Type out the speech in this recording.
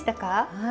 はい。